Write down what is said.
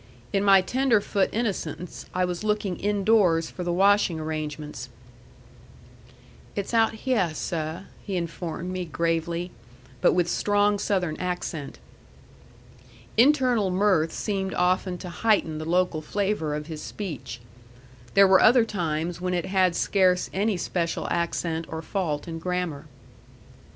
In my tenderfoot innocence I was looking indoors for the washing arrangements. "It's out hyeh, seh," he informed me gravely, but with strong Southern accent. Internal mirth seemed often to heighten the local flavor of his speech. There were other times when it had scarce any special accent or fault in grammar.